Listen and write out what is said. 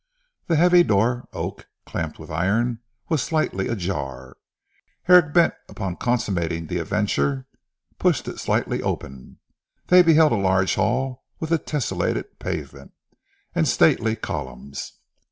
The heavy door oak, clamped with iron was slightly ajar. Herrick bent upon consummating the adventure, pushed it slightly open. They beheld a large hall with a tesselated pavement, and stately columns.